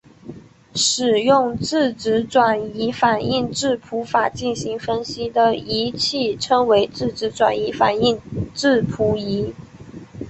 使用质子转移反应质谱法进行分析的仪器称为质子转移反应质谱仪。